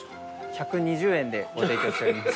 １２０円でご提供しております